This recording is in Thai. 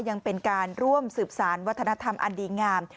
ยังเป็นการร่วมสืบสารวัฒนธรรมอันดีงาม